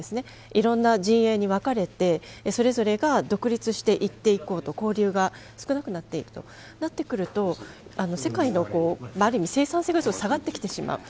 いろんな陣営に分かれてそれぞれが独立していっていこうと交流が少なくなっているとなると世界の生産性が下がってきてしまう。